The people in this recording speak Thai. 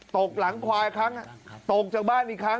ตกหลังควายครั้งตกจากบ้านอีกครั้ง